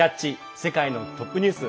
世界のトップニュース」。